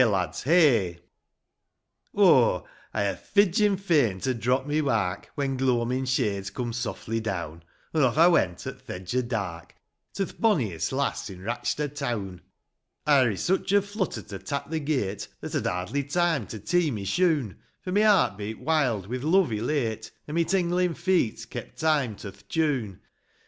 idOlt, prt^, ildgli! H, Pre fidgin' fain to drop my wark When gloamin' shades coom softly down; An' off I went, at ih' edge o' dark, To th' bonniest lass i' Rachda' town. I're i' sich a flutter to tak the gate That I'd hardly time to tee my shoon ; For my heart beat wild, with love elate, An' my tinglin' feet kept time to th' tune.